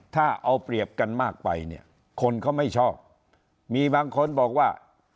ถ้าเอาเปรียบกันมากไปเนี่ยคนเขาไม่ชอบมีบางคนบอกว่า